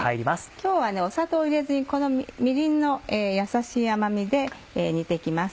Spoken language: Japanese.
今日は砂糖入れずにみりんのやさしい甘みで煮て行きます。